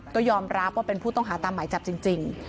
ก็ยอมรับว่าเป็นผู้ต้องหาตามหมายจับจริง